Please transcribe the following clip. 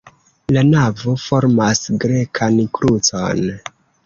La navo formas grekan krucon.